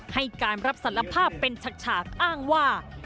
ให้การรับสารภาพเป็นฉากอ้างว่า